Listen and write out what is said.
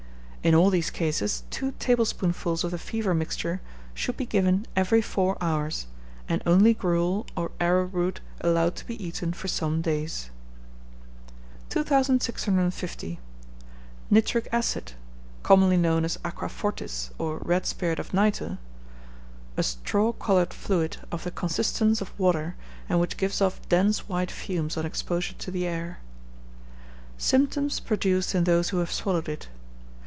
In all these cases, two tablespoonfuls of the fever mixture should be given every four hours, and only gruel or arrowroot allowed to be eaten for some days. 2650. Nitric Acid, commonly known as Aqua Fortis, or Red Spirit of Nitre (a straw coloured fluid, of the consistence of water, and which gives off dense white fumes on exposure to the air). _Symptoms produced in those who have swallowed it.